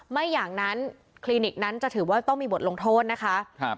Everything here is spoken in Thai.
ไม่อย่างนั้นคลินิกนั้นจะถือว่าต้องมีบทลงโทษนะคะ